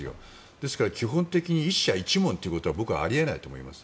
ですから、基本的に１社１問ということは僕はあり得ないと思います。